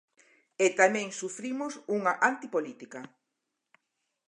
E tamén sufrimos unha antipolítica.